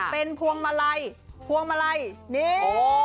เป็นพวงมาลัยพวงมาลัยนี่